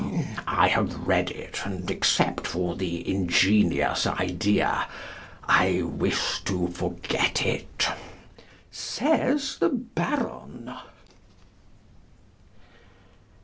"I have read it, and, except for the ingenious idea, I wish to forget it," says the Baron.